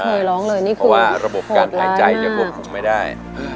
เพราะว่าระบบการหายใจจะคงไม่ได้